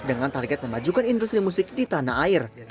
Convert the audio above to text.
dengan target memajukan industri musik di tanah air